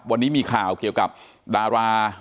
วันนี้มีข่าวเกี่ยวกับดารา